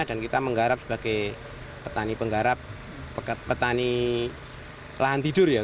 dan kita menggarap sebagai petani penggarap petani lahan tidur ya